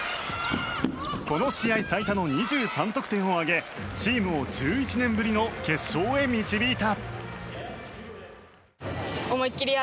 この試合最多の２３得点を挙げチームを１１年ぶりの決勝へ導いた！